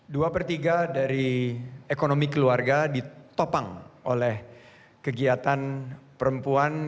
dua per tiga dari ekonomi keluarga ditopang oleh kegiatan perempuan